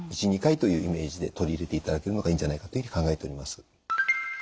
１２回というイメージで取り入れていただけるのがいいんじゃないかというふうに考えております。